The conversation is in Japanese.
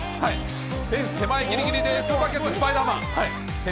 フェンス手前ぎりぎりでスパイダーマン。